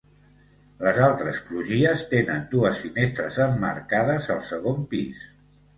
Les altres crugies tenen dues finestres emmarcades al segon pis.